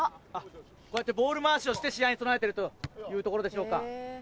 こうやってボール回しをして試合に備えてるというところでしょうか。